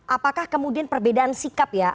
apakah kemudian perbedaan sikap ya